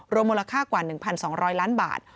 มูลค่ากว่า๑๒๐๐ล้านบาท